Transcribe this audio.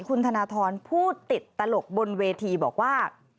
คุณธนทรพูดติดตลกบนเวทีบอกว่า